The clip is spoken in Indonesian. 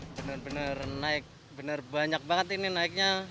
bener bener naik bener banyak banget ini naiknya